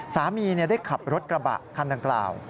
สามีได้ขับรถกระบะคันดังกล่าว